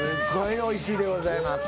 おいしいでございます。